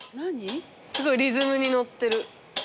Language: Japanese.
すごいリズムに乗ってる。